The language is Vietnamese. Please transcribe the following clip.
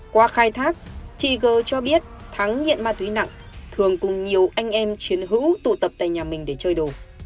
qua khai thác chị g cho biết thắng nghiện ma túy nặng thường cùng nhiều anh em chiến hữu tụ tập tại nhà mình để chơi đồ